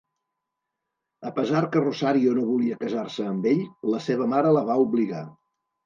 A pesar que Rosario no volia casar-se amb ell, la seva mare la va obligar.